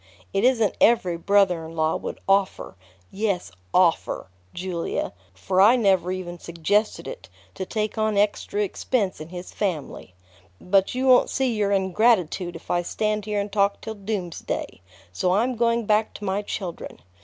It isn't every brother in law would offer yes, offer, Julia, for I never even suggested it to take on extra expense in his family. But you won't see your ingratitude if I stand here and talk till doomsday; so I'm going back to my children.